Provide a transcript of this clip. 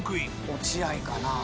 「落合かな？」